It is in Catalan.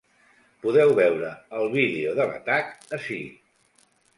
Podeu veure el vídeo de l’atac ací.